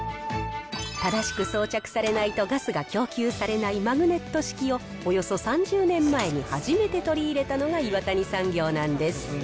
正しく装着されないとガスが供給されないマグネット式をおよそ３０年前に初めて取り入れたのが岩谷産業なんです。